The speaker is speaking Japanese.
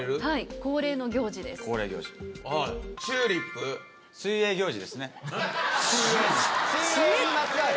はい恒例の行事です。